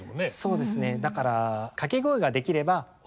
そうですね。